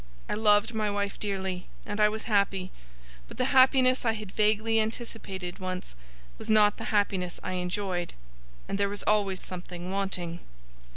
I loved my wife dearly, and I was happy; but the happiness I had vaguely anticipated, once, was not the happiness I enjoyed, and there was always something wanting.